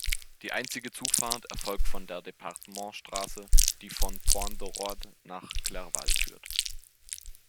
Die einzige Zufahrt erfolgt von der Departementsstraße, die von Pont-de-Roide nach Clerval führt.